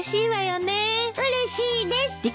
うれしいです。